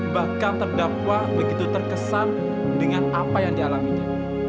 bahkan terdakwa begitu terkesan dengan apa yang dialaminya